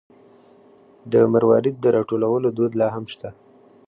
د مروارید د راټولولو دود لا هم شته.